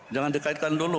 jangan dikaitkan dulu